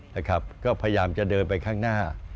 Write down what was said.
นะครับก็พยายามจะเดินไปข้างหน้า